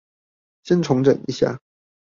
先重整一下